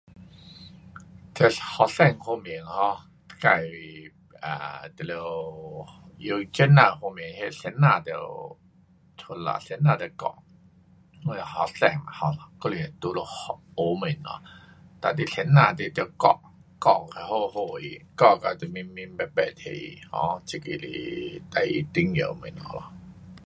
这学生方面 um 自啊，就得，有这样方面那先生得出力，先生得教，因为学生 um 还是在那，学东西，哒你先生你得教。教到好好他。教到你明明白白给他。这个最重要东西咯。